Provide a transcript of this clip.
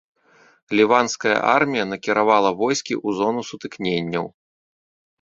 Ліванская армія накіравала войскі ў зону сутыкненняў.